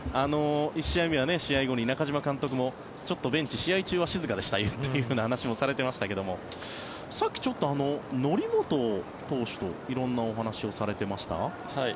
１試合目は試合後に中嶋監督もちょっとベンチ試合中は静かでしたという話もされていましたがさっき、則本投手と色々なお話をされてました？